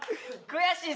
悔しい？